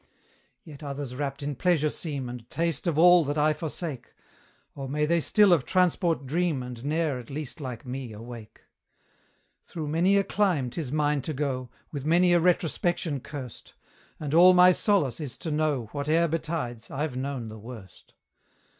Yet others rapt in pleasure seem, And taste of all that I forsake: Oh! may they still of transport dream, And ne'er, at least like me, awake! Through many a clime 'tis mine to go, With many a retrospection curst; And all my solace is to know, Whate'er betides, I've known the worst.